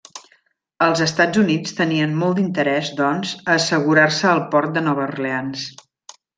Els Estats Units tenien molt d'interès, doncs, a assegurar-se el port de Nova Orleans.